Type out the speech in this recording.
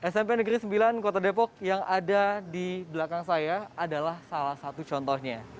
smp negeri sembilan kota depok yang ada di belakang saya adalah salah satu contohnya